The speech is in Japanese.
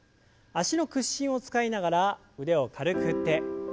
脚の屈伸を使いながら腕を軽く振って。